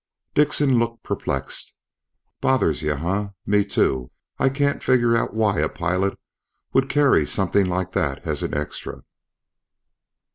Dickson looked perplexed. "Bothers you huh? Me too. I can't figure out why a pilot would carry something like that as an extra.